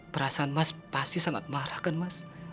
perasaan mas pasti sangat marah kan mas